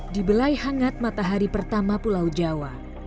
di belai hangat matahari pertama pulau jawa